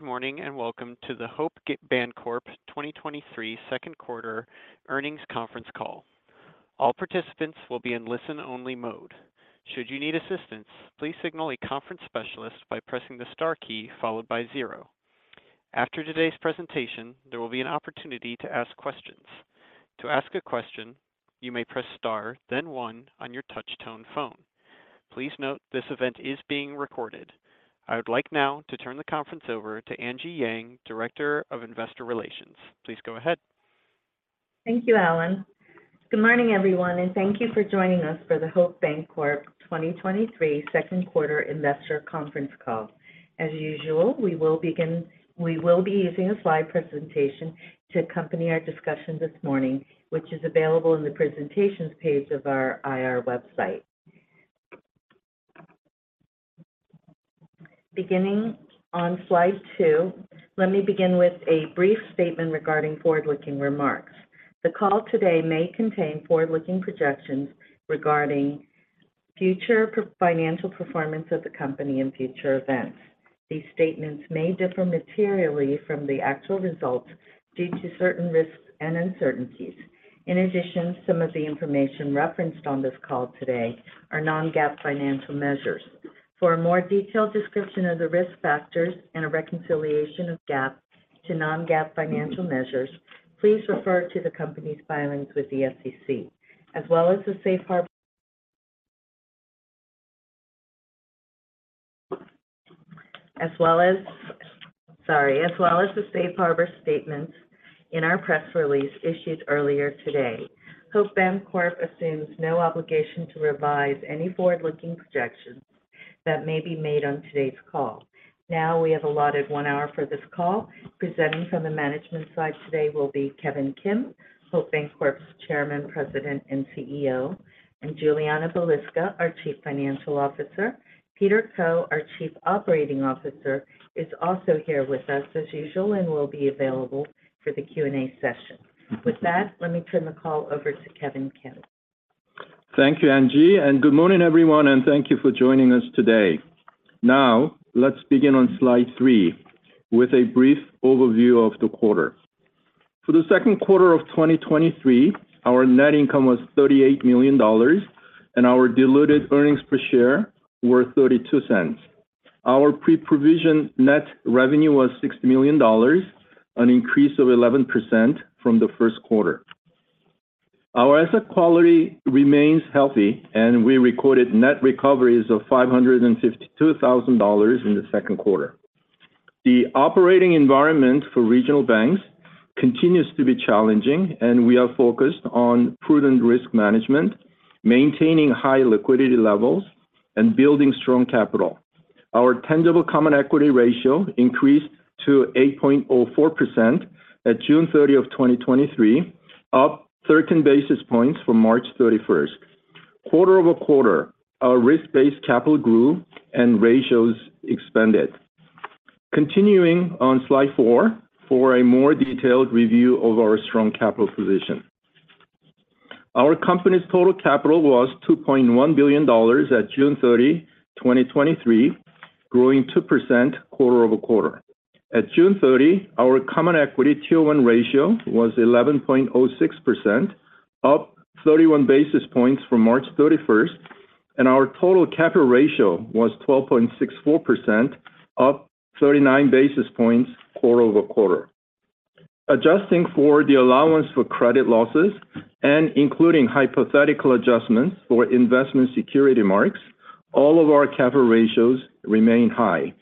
Good morning, welcome to the Hope Bancorp 2023 second quarter earnings conference call. All participants will be in listen-only mode. Should you need assistance, please signal a conference specialist by pressing the star key followed by 0. After today's presentation, there will be an opportunity to ask questions. To ask a question, you may press Star, then 1 on your touch tone phone. Please note, this event is being recorded. I would like now to turn the conference over to Angie Yang, Director of Investor Relations. Please go ahead. Thank you, Alan. Good morning, everyone, and thank you for joining us for the Hope Bancorp 2023 second quarter investor conference call. As usual, we will be using a slide presentation to accompany our discussion this morning, which is available in the presentations page of our IR website. Beginning on slide 2, let me begin with a brief statement regarding forward-looking remarks. The call today may contain forward-looking projections regarding future financial performance of the company and future events. These statements may differ materially from the actual results due to certain risks and uncertainties. Some of the information referenced on this call today are non-GAAP financial measures. For a more detailed description of the risk factors and a reconciliation of GAAP to non-GAAP financial measures, please refer to the company's filings with the SEC, as well as the safe harbor. Sorry. As well as the safe harbor statements in our press release issued earlier today. Hope Bancorp assumes no obligation to revise any forward-looking projections that may be made on today's call. We have allotted one hour for this call. Presenting from the management side today will be Kevin Kim, Hope Bancorp's Chairman, President, and CEO, and Julianna Balicka, our Chief Financial Officer. Peter Koh, our Chief Operating Officer, is also here with us as usual and will be available for the Q&A session. With that, let me turn the call over to Kevin Kim. Thank you, Angie, good morning, everyone, and thank you for joining us today. Let's begin on slide 3 with a brief overview of the quarter. For the second quarter of 2023, our net income was $38 million, and our diluted earnings per share were $0.32. Our pre-provision net revenue was $60 million, an increase of 11% from the first quarter. Our asset quality remains healthy, and we recorded net recoveries of $552,000 in the second quarter. The operating environment for regional banks continues to be challenging, and we are focused on prudent risk management, maintaining high liquidity levels, and building strong capital. Our tangible common equity ratio increased to 8.04% at June 30 of 2023, up 13 basis points from March 31. Quarter-over-quarter, our risk-based capital grew and ratios expanded. Continuing on slide 4 for a more detailed review of our strong capital position. Our company's total capital was $2.1 billion at June 30, 2023, growing 2% quarter-over-quarter. At June 30, our Common Equity Tier 1 ratio was 11.06%, up 31 basis points from March 31st, and our total capital ratio was 12.64%, up 39 basis points quarter-over-quarter. Adjusting for the allowance for credit losses and including hypothetical adjustments for investment security marks, all of our capital ratios remain high.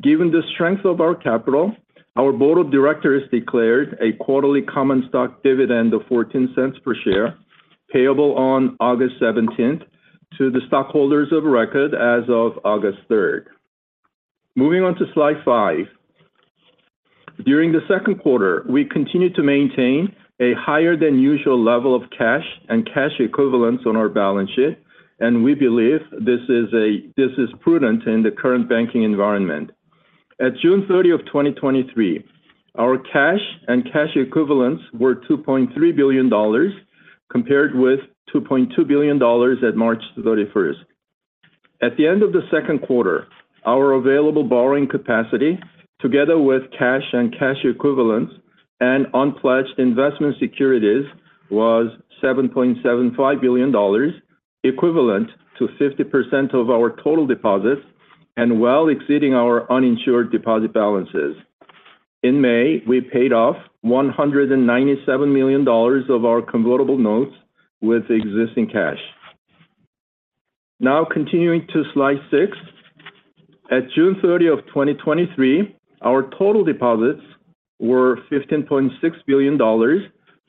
Given the strength of our capital, our board of directors declared a quarterly common stock dividend of $0.14 per share, payable on August 17th to the stockholders of record as of August 3rd. Moving on to slide 5. During the second quarter, we continued to maintain a higher than usual level of cash and cash equivalents on our balance sheet. We believe this is prudent in the current banking environment. At June 30, 2023, our cash and cash equivalents were $2.3 billion, compared with $2.2 billion at March 31st. At the end of the second quarter, our available borrowing capacity, together with cash and cash equivalents and unpledged investment securities, was $7.75 billion, equivalent to 50% of our total deposits and well exceeding our uninsured deposit balances. In May, we paid off $197 million of our convertible notes with existing cash. Now, continuing to slide 6. At June 30, 2023, our total deposits were $15.6 billion,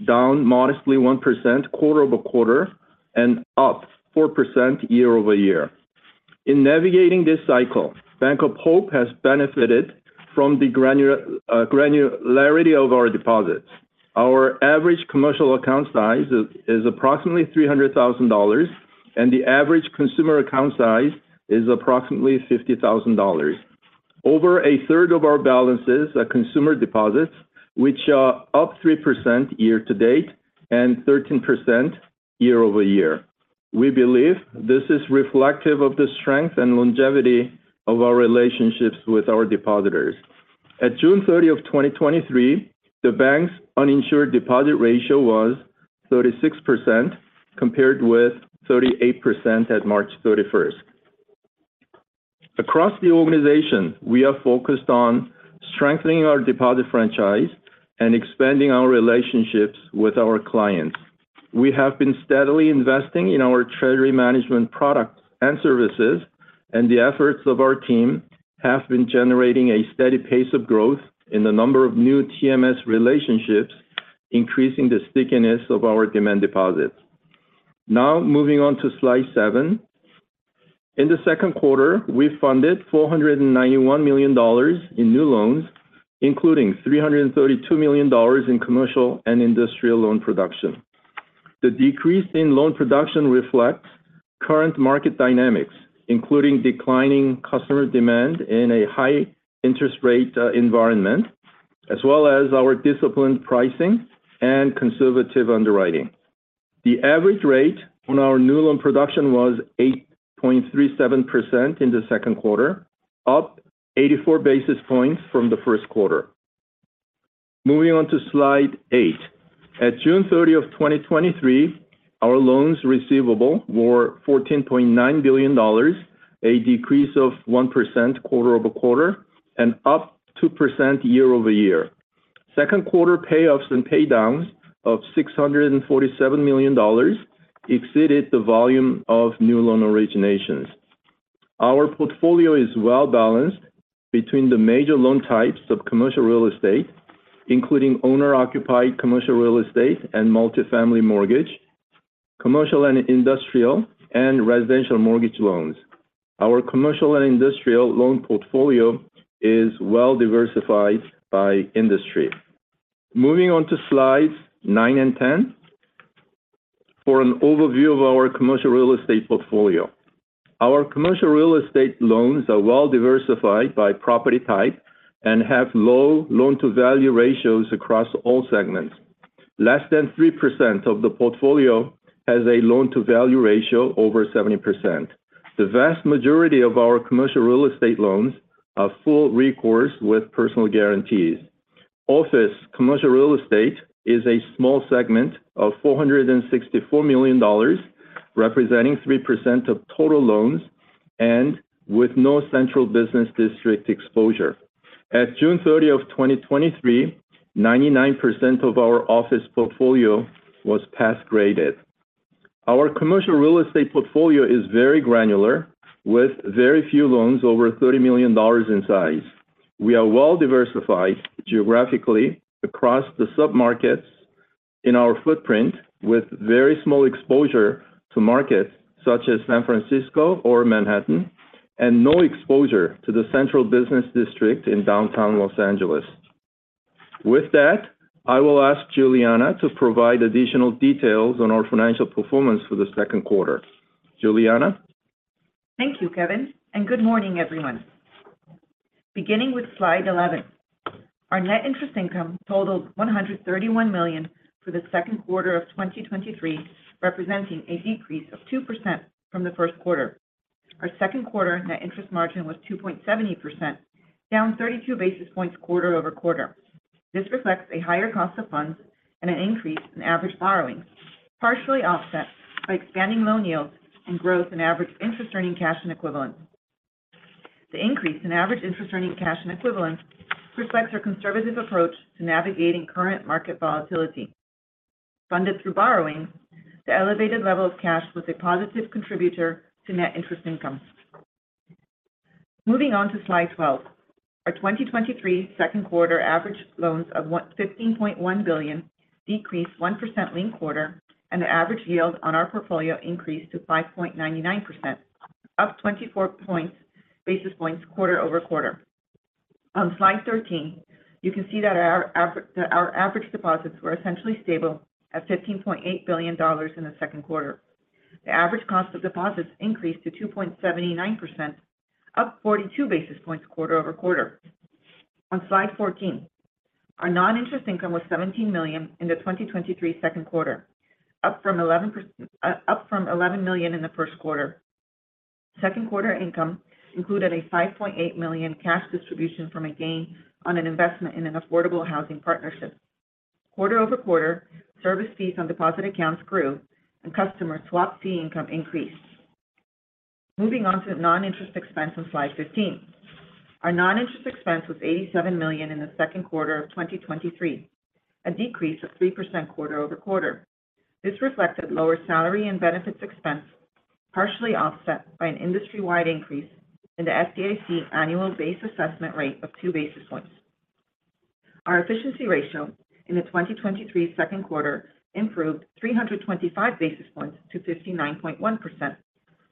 down modestly 1% quarter-over-quarter and up 4% year-over-year. In navigating this cycle, Bank of Hope has benefited from the granular granularity of our deposits. Our average commercial account size is approximately $300,000, and the average consumer account size is approximately $50,000. Over a third of our balances are consumer deposits, which are up 3% year-to-date and 13% year-over-year. We believe this is reflective of the strength and longevity of our relationships with our depositors. At June 30, 2023, the bank's uninsured deposit ratio was 36%, compared with 38% at March 31. Across the organization, we are focused on strengthening our deposit franchise and expanding our relationships with our clients. We have been steadily investing in our treasury management products and services, the efforts of our team have been generating a steady pace of growth in the number of new TMS relationships, increasing the stickiness of our demand deposits. Moving on to slide 7. In the second quarter, we funded $491 million in new loans, including $332 million in Commercial and Industrial loan production. The decrease in loan production reflects current market dynamics, including declining customer demand in a high interest rate environment, as well as our disciplined pricing and conservative underwriting. The average rate on our new loan production was 8.37% in the second quarter, up 84 basis points from the first quarter. Moving on to slide 8. At June 30 of 2023, our loans receivable were $14.9 billion, a decrease of 1% quarter-over-quarter and up 2% year-over-year. Second quarter payoffs and paydowns of $647 million exceeded the volume of new loan originations. Our portfolio is well balanced between the major loan types of commercial real estate, including owner-occupied commercial real estate and multifamily mortgage, commercial and industrial, and residential mortgage loans. Our commercial and industrial loan portfolio is well diversified by industry. Moving on to slides 9 and 10 for an overview of our commercial real estate portfolio. Our commercial real estate loans are well diversified by property type and have low loan-to-value ratios across all segments. Less than 3% of the portfolio has a loan-to-value ratio over 70%. The vast majority of our commercial real estate loans are full recourse with personal guarantees. Office commercial real estate is a small segment of $464 million, representing 3% of total loans and with no central business district exposure. At June 30, 2023, 99% of our office portfolio was pass graded. Our commercial real estate portfolio is very granular, with very few loans over $30 million in size. We are well diversified geographically across the submarkets in our footprint, with very small exposure to markets such as San Francisco or Manhattan, and no exposure to the central business district in downtown Los Angeles. With that, I will ask Julianna to provide additional details on our financial performance for the second quarter. Julianna? Thank you, Kevin. Good morning, everyone. Beginning with slide 11, our net interest income totaled $131 million for the second quarter of 2023, representing a decrease of 2% from the first quarter. Our second quarter net interest margin was 2.70%, down 32 basis points quarter-over-quarter. This reflects a higher cost of funds and an increase in average borrowing, partially offset by expanding loan yields and growth in average interest earning cash and equivalent. The increase in average interest earning cash and equivalent reflects our conservative approach to navigating current market volatility. Funded through borrowing, the elevated level of cash was a positive contributor to net interest income. Moving on to slide 12. Our 2023 second quarter average loans of $15.1 billion decreased 1% link quarter. The average yield on our portfolio increased to 5.99%, up 24 basis points quarter-over-quarter. On slide 13, you can see that our average deposits were essentially stable at $15.8 billion in the second quarter. The average cost of deposits increased to 2.79%, up 42 basis points quarter-over-quarter. On slide 14, our non-interest income was $17 million in the 2023 second quarter, up from $11 million in the first quarter. Second quarter income included a $5.8 million cash distribution from a gain on an investment in an affordable housing partnership. Quarter-over-quarter, service fees on deposit accounts grew. Customer swap fee income increased. Moving on to non-interest expense on slide 15. Our non-interest expense was $87 million in the second quarter of 2023, a decrease of 3% quarter-over-quarter. This reflected lower salary and benefits expense, partially offset by an industry-wide increase in the FDIC annual base assessment rate of 2 basis points. Our efficiency ratio in the 2023 second quarter improved 325 basis points to 59.1%,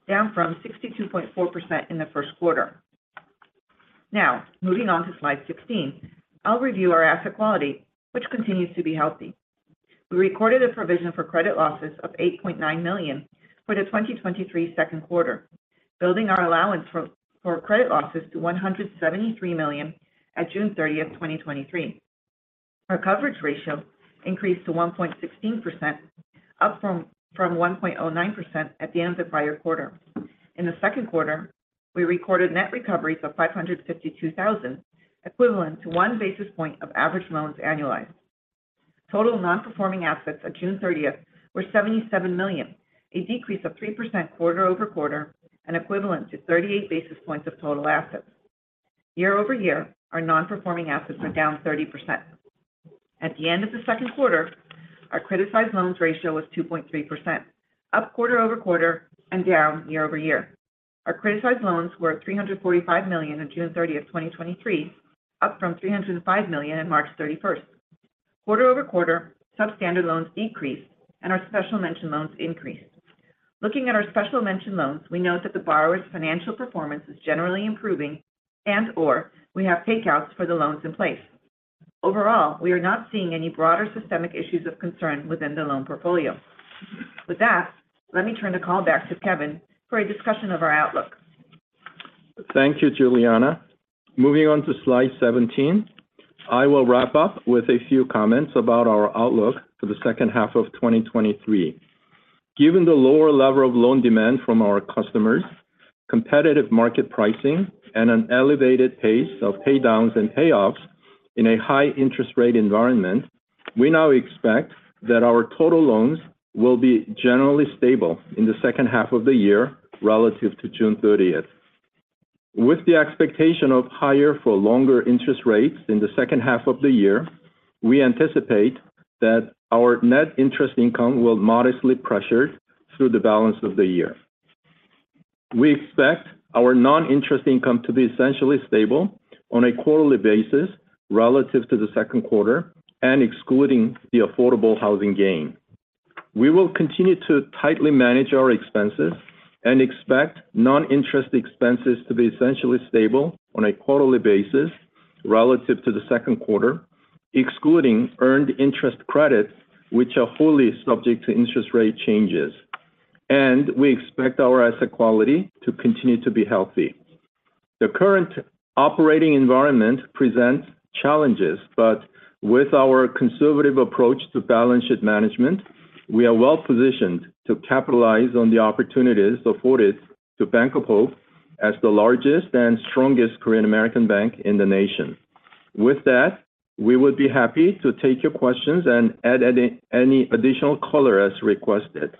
down from 62.4% in the first quarter. Moving on to slide 16, I'll review our asset quality, which continues to be healthy. We recorded a provision for credit losses of $8.9 million for the 2023 second quarter, building our allowance for credit losses to $173 million at June 30th, 2023. Our coverage ratio increased to 1.16%, up from 1.09% at the end of the prior quarter. In the second quarter, we recorded net recoveries of $552,000, equivalent to 1 basis point of average loans annualized. Total nonperforming assets at June thirtieth were $77 million, a decrease of 3% quarter-over-quarter and equivalent to 38 basis points of total assets. Year-over-year, our nonperforming assets are down 30%. At the end of the second quarter, our criticized loans ratio was 2.3%, up quarter-over-quarter and down year-over-year. Our criticized loans were at $345 million on June 30, 2023, up from $305 million on March 31. Quarter-over-quarter, substandard loans decreased, and our special mention loans increased. Looking at our special mention loans, we note that the borrower's financial performance is generally improving, and/or we have payouts for the loans in place. Overall, we are not seeing any broader systemic issues of concern within the loan portfolio. With that, let me turn the call back to Kevin for a discussion of our outlook. Thank you, Julianna. Moving on to slide 17, I will wrap up with a few comments about our outlook for the 2nd half of 2023. Given the lower level of loan demand from our customers, competitive market pricing, and an elevated pace of paydowns and payoffs in a high interest rate environment, we now expect that our total loans will be generally stable in the 2nd half of the year relative to June 30th. With the expectation of higher for longer interest rates in the 2nd half of the year, we anticipate that our net interest income will modestly pressure through the balance of the year. We expect our non-interest income to be essentially stable on a quarterly basis relative to the 2nd quarter, excluding the affordable housing gain. We will continue to tightly manage our expenses and expect non-interest expenses to be essentially stable on a quarterly basis relative to the second quarter, excluding earned interest credits, which are wholly subject to interest rate changes. We expect our asset quality to continue to be healthy. The current operating environment presents challenges. With our conservative approach to balance sheet management, we are well positioned to capitalize on the opportunities afforded to Bank of Hope as the largest and strongest Korean American bank in the nation. With that, we would be happy to take your questions and add any additional color as requested.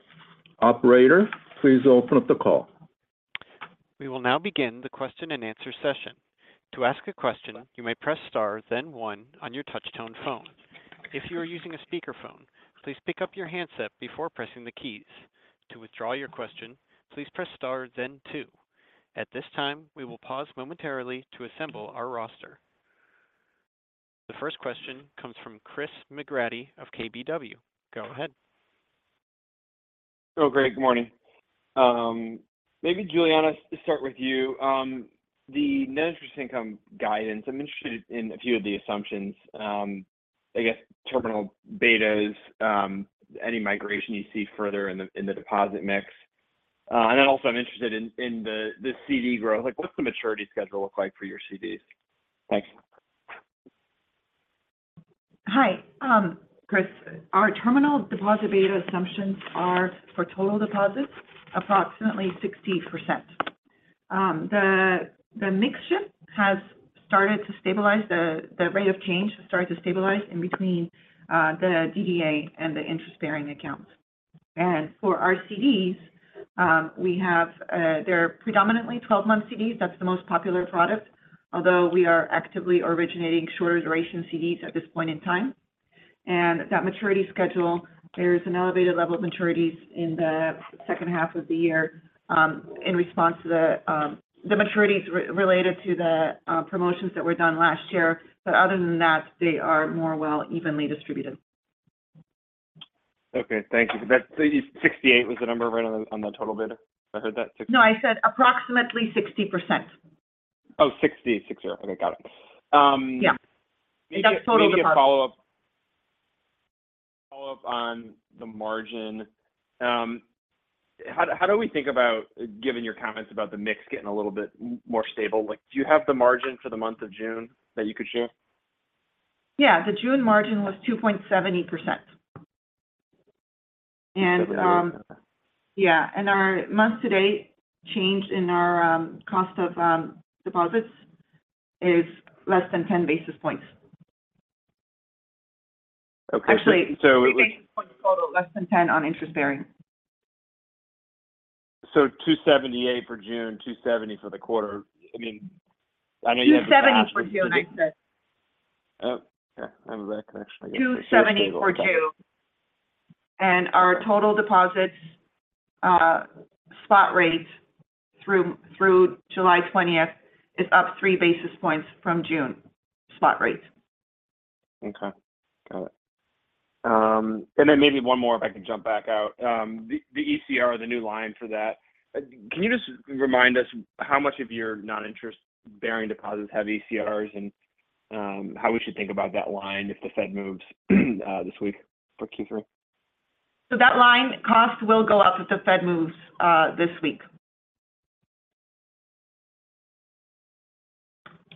Operator, please open up the call. We will now begin the question and answer session. To ask a question, you may press star, then 1 on your touch-tone phone. If you are using a speakerphone, please pick up your handset before pressing the keys. To withdraw your question, please press star then 2. At this time, we will pause momentarily to assemble our roster. The first question comes from Christopher McGratty of KBW. Go ahead. Oh, great. Good morning. maybe Julianna, to start with you. The net interest income guidance, I'm interested in a few of the assumptions, I guess terminal betas, any migration you see further in the deposit mix. Also I'm interested in the CD growth. Like, what's the maturity schedule look like for your CDs? Thanks. Hi, Chris. Our terminal deposit beta assumptions are for total deposits, approximately 60%. The mix shift has started to stabilize the rate of change has started to stabilize in between the DDA and the interest-bearing accounts. For our CDs, we have, they're predominantly 12-month CDs. That's the most popular product, although we are actively originating shorter duration CDs at this point in time. That maturity schedule, there's an elevated level of maturities in the second half of the year, in response to the maturities related to the promotions that were done last year. Other than that, they are more well evenly distributed. Okay, thank you. That 68 was the number right on the total bid? No, I said approximately 60%. Oh, 60. 60. Okay, got it. Yeah, that's total deposit. Maybe a follow-up on the margin. How do we think about giving your comments about the mix getting a little bit more stable? Like, do you have the margin for the month of June that you could share? Yeah, the June margin was 2.70%. Okay. Our month-to-date change in our cost of deposits is less than 10 basis points. Okay. it was. Actually, three basis points total, less than 10 on interest bearing. 278 for June, 270 for the quarter. I mean, I know you. $2.70 for June, I said. Oh, okay. I have a bad connection, I guess. 270 for 2. Our total deposits, spot rates through July 20th is up 3 basis points from June. Spot rates. Okay. Got it. Maybe one more if I can jump back out. The, the ECR, the new line for that, can you just remind us how much of your non-interest-bearing deposits have ECRs and how we should think about that line if the Fed moves, this week for Q3? That line cost will go up if the Fed moves this week.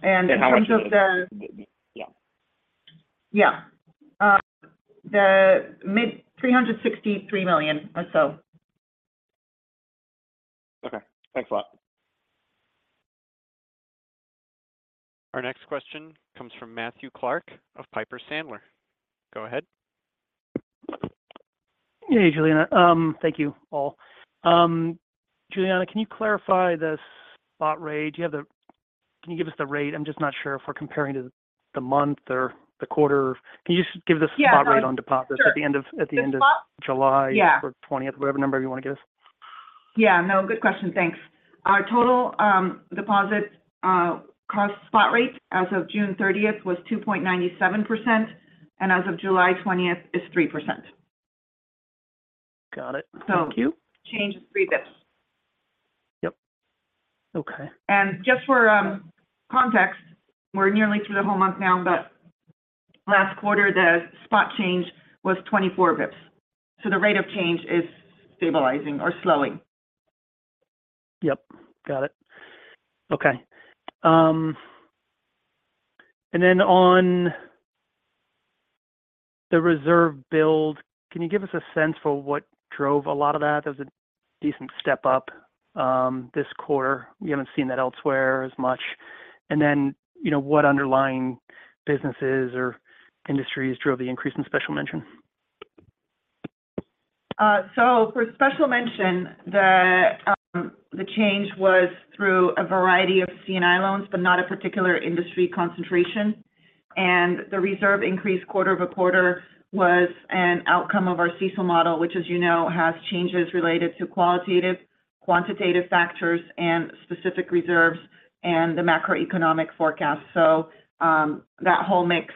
Yeah. Yeah, the mid $363 million or so. Okay. Thanks a lot. Our next question comes from Matthew Clark of Piper Sandler. Go ahead. Hey, Julianna. thank you, all. Julianna, can you clarify the spot rate? Can you give us the rate? I'm just not sure if we're comparing to the month or the quarter. Yeah. spot rate on deposits Sure at the end of This spot? -July- Yeah -or 20th, whatever number you want to give us. Yeah. No, good question. Thanks. Our total deposit cost spot rate as of June 30th was 2.97%, and as of July 20th is 3%. Got it. So- Thank you.... change is 3 basis points. Yep. Okay. Just for context, we're nearly through the whole month now, but last quarter, the spot change was 24 basis points. The rate of change is stabilizing or slowing. Yep, got it. Okay. Then on the reserve build, can you give us a sense for what drove a lot of that? There's a decent step up this quarter. We haven't seen that elsewhere as much. Then, you know, what underlying businesses or industries drove the increase in special mention? For special mention, the change was through a variety of C&I loans, but not a particular industry concentration. The reserve increase quarter-over-quarter was an outcome of our CECL model, which, as you know, has changes related to qualitative, quantitative factors and specific reserves and the macroeconomic forecast. That whole mix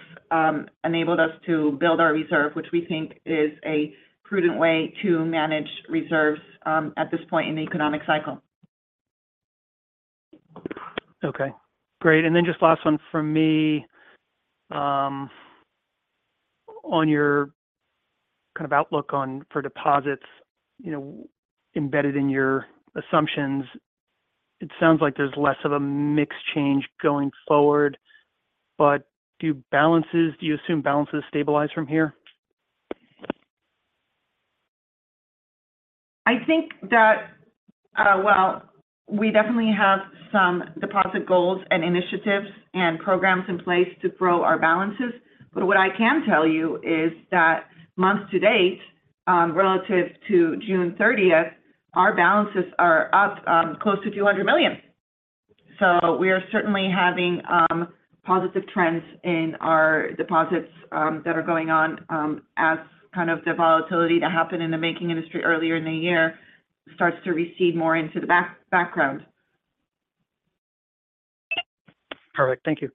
enabled us to build our reserve, which we think is a prudent way to manage reserves at this point in the economic cycle. Okay, great. Just last one from me. On your kind of outlook on for deposits, you know, embedded in your assumptions, it sounds like there's less of a mixed change going forward. Do you assume balances stabilize from here? I think that, well, we definitely have some deposit goals and initiatives and programs in place to grow our balances. What I can tell you is that month-to-date, relative to June 30th, our balances are up, close to $200 million. We are certainly having positive trends in our deposits that are going on as kind of the volatility that happened in the banking industry earlier in the year starts to recede more into the background. Perfect. Thank you.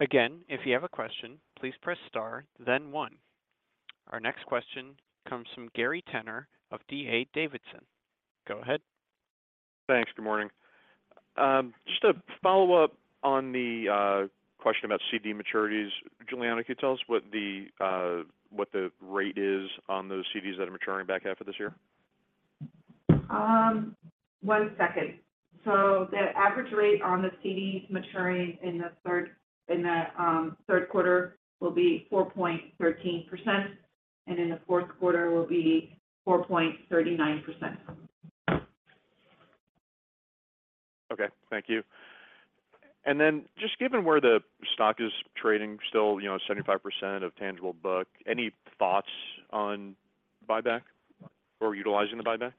Again, if you have a question, please press star, then one. Our next question comes from Gary Tenner of D.A. Davidson. Go ahead. Thanks. Good morning. just a follow-up on the question about CD maturities. Julianna, could you tell us what the what the rate is on those CDs that are maturing back half of this year? One second. The average rate on the CDs maturing in the third quarter will be 4.13%, and in the fourth quarter will be 4.39%. Okay, thank you. Just given where the stock is trading, still, you know, 75% of tangible book, any thoughts on buyback or utilizing the buyback?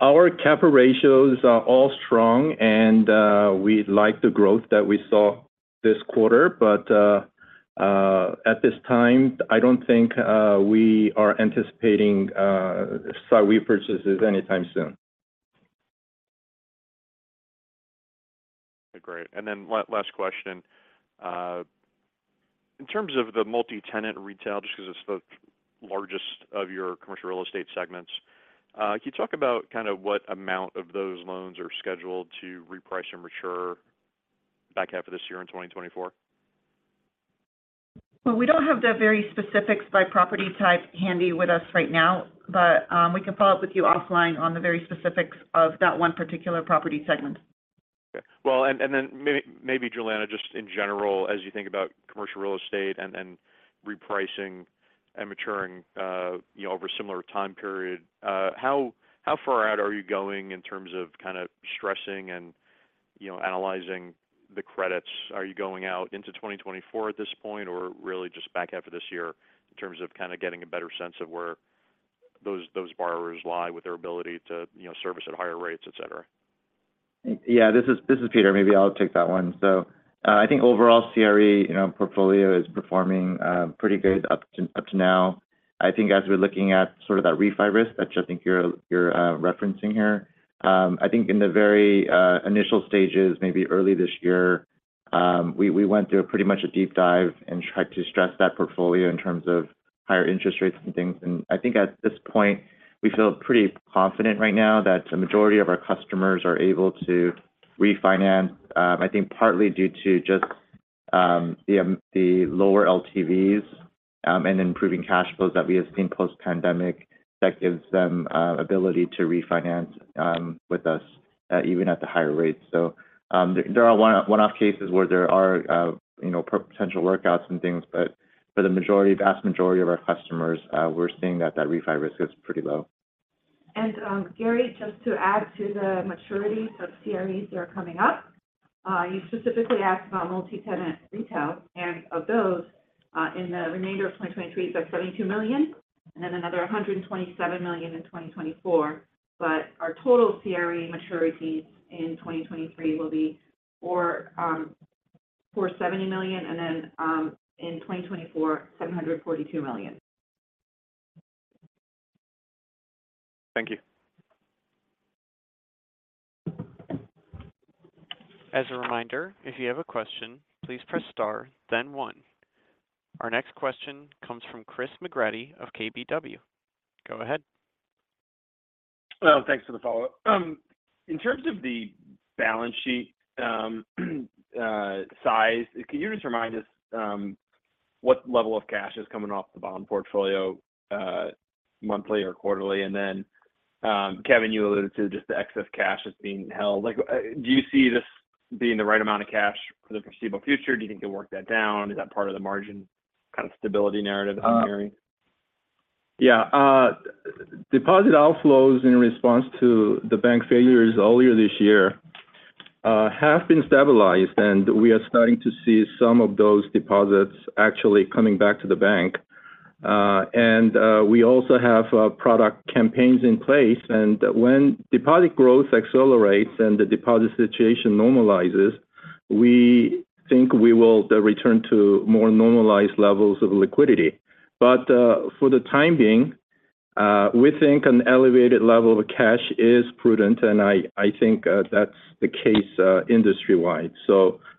Our capital ratios are all strong, and we like the growth that we saw this quarter, but at this time, I don't think we are anticipating stock repurchases anytime soon. Great. Last question. In terms of the multi-tenant retail, just because it's the largest of your commercial real estate segments, can you talk about kind of what amount of those loans are scheduled to reprice and mature back half of this year in 2024? We don't have the very specifics by property type handy with us right now, but we can follow up with you offline on the very specifics of that one particular property segment. Okay. Well, maybe Julianna, just in general, as you think about commercial real estate and repricing and maturing, you know, over a similar time period, how far out are you going in terms of kind of stressing and, you know, analyzing the credits? Are you going out into 2024 at this point, or really just back half of this year in terms of kind of getting a better sense of where those borrowers lie with their ability to, you know, service at higher rates, et cetera? Yeah, this is Peter. Maybe I'll take that one. I think overall, CRE, you know, portfolio is performing pretty good up to now. I think as we're looking at sort of that refi risk, which I think you're referencing here, I think in the very initial stages, maybe early this year, we went through pretty much a deep dive and tried to stress that portfolio in terms of higher interest rates and things. I think at this point, we feel pretty confident right now that the majority of our customers are able to refinance, I think partly due to just- the lower LTVs, and improving cash flows that we have seen post-pandemic, that gives them ability to refinance, with us, even at the higher rates. There, there are one-off cases where there are, you know, potential workouts and things, but for the majority, vast majority of our customers, we're seeing that that refi risk is pretty low. Gary, just to add to the maturities of CREs that are coming up, you specifically asked about multi-tenant retail, and of those, in the remainder of 2023, it's like $72 million and then another $127 million in 2024. Our total CRE maturities in 2023 will be $470 million, and then, in 2024, $742 million. Thank you. As a reminder, if you have a question, please press star, then one. Our next question comes from Chris McGratty of KBW. Go ahead. Well, thanks for the follow-up. In terms of the balance sheet size, can you just remind us what level of cash is coming off the bond portfolio monthly or quarterly? Kevin, you alluded to just the excess cash that's being held. Like, do you see this being the right amount of cash for the foreseeable future? Do you think you'll work that down? Is that part of the margin kind of stability narrative on hearing? Yeah. Deposit outflows in response to the bank failures earlier this year have been stabilized, and we are starting to see some of those deposits actually coming back to the bank. We also have product campaigns in place, and when deposit growth accelerates and the deposit situation normalizes, we think we will return to more normalized levels of liquidity. For the time being, we think an elevated level of cash is prudent, and I think, that's the case, industry-wide.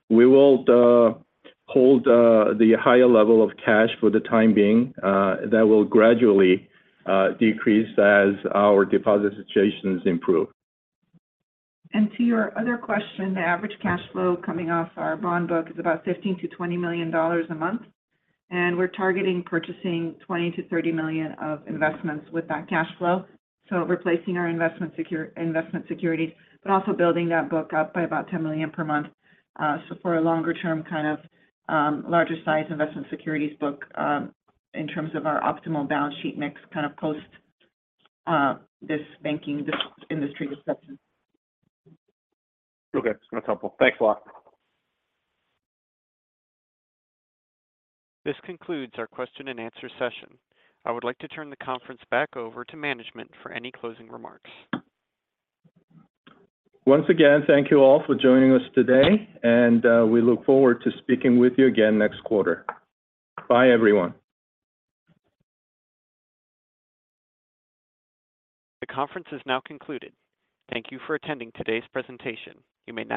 We will hold the higher level of cash for the time being. That will gradually decrease as our deposit situations improve. To your other question, the average cash flow coming off our bond book is about $15 million-$20 million a month, and we're targeting purchasing $20 million-$30 million of investments with that cash flow. Replacing our investment securities, but also building that book up by about $10 million per month for a longer term, larger size investment securities book in terms of our optimal balance sheet mix post this banking, this industry disruption. Okay. That's helpful. Thanks a lot. This concludes our question and answer session. I would like to turn the conference back over to management for any closing remarks. Once again, thank you all for joining us today. We look forward to speaking with you again next quarter. Bye, everyone. The conference is now concluded. Thank you for attending today's presentation. You may now-